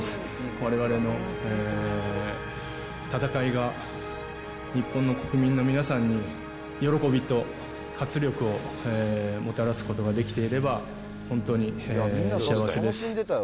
われわれの戦いが、日本の国民の皆さんに喜びと活力をもたらすことができていれば、本当に幸せです。